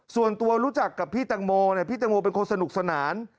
ส่วนตัวรู้จักกับพี่ตังโมพี่ตังโมเป็นคนสนุกสนาน